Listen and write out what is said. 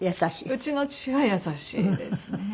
うちの父は優しいですね。